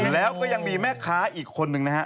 แล้วก็ยังมีแม่ค้าอีกคนนึงนะฮะ